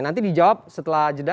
nanti dijawab setelah jeda